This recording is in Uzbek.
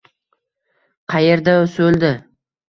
Qayerda soʻldi?